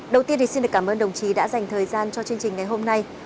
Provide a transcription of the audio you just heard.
đầu tiên thì xin được cảm ơn đồng chí đã dành thời gian cho chương trình ngày hôm nay